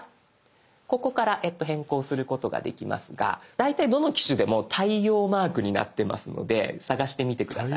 ここから変更することができますが大体どの機種でも太陽マークになってますので探してみて下さい。